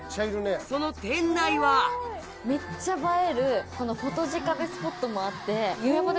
その店内はめっちゃ映えるフォトジェ壁スポットもあってゆめぽて